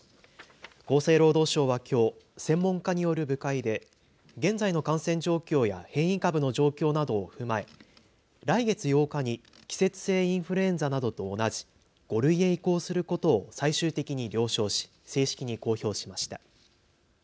厚生労働省はきょう専門家による部会で現在の感染状況や変異株の状況などを踏まえ来月８日に季節性インフルエンザなどと同じ５類へ移行することを最終的に了承し正式に公表しました。